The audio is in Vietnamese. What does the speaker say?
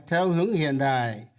theo hướng hiện đại